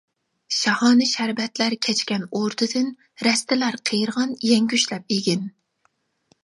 شاھانە شەربەتلەر كەچكەن ئوردىدىن رەستىلەر قېرىغان يەڭگۈشلەپ ئېگىن.